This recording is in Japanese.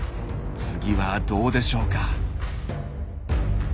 次はどうでしょうか。